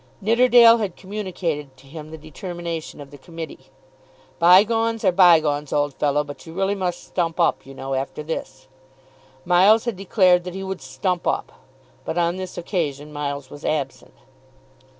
Nidderdale had communicated to him the determination of the committee. "Bygones are bygones, old fellow; but you really must stump up, you know, after this." Miles had declared that he would "stump up." But on this occasion Miles was absent.